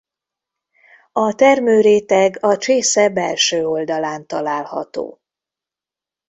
A termőréteg a csésze belső oldalán található.